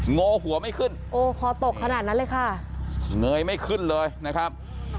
โง่หัวไม่ขึ้นโอ้คอตกขนาดนั้นเลยค่ะเงยไม่ขึ้นเลยนะครับ